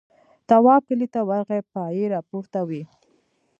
تواب کلي ته ورغی پایې راپورته وې.